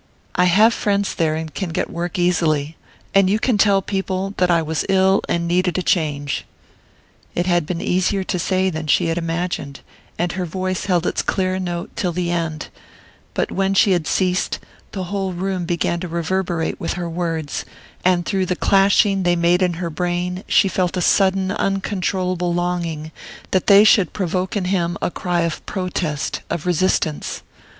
I have friends there, and can get work easily. And you can tell people that I was ill and needed a change." It had been easier to say than she had imagined, and her voice held its clear note till the end; but when she had ceased, the whole room began to reverberate with her words, and through the clashing they made in her brain she felt a sudden uncontrollable longing that they should provoke in him a cry of protest, of resistance.